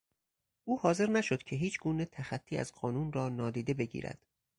او حاضر نشد که هیچگونه تخطی از قانون را نادیده بگیرد.